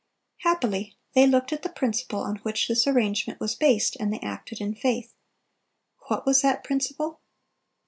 "Happily they looked at the principle on which this arrangement was based, and they acted in faith. What was that principle?